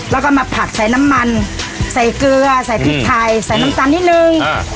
แล้วก็มาผัดใส่น้ำมันใส่เกลือใส่พริกไทยใส่น้ำตาลนิดนึงอ่า